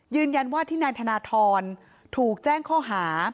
ยืนยันว่าที่นายธนทรถูกแจ้งข้อหา